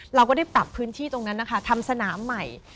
เราก็ได้ปรับพื้นที่ตรงนั้นนะคะทำสนามใหม่